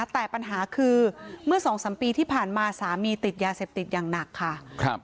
แต่ปัญหาคือเมื่อ๒๓ปีที่ผ่านมาสามีติดยาเสพติดอย่างหนักค่ะ